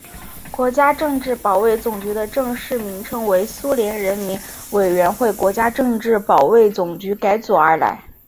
国家政治保卫总局的正式名称为苏联人民委员会国家政治保卫总局改组而来。